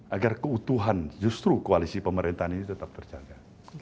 agar keutuhan justru koalisi pemerintahan ini tetap terjaga